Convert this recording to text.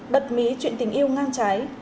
bật mí chuyện tình yêu ngang trái